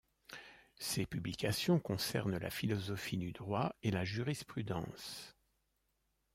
Ses publications concernent la philosophie du droit et la jurisprudence.